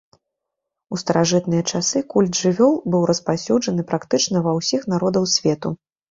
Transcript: У старажытныя часы культ жывёл быў распаўсюджаны практычна ва ўсіх народаў свету.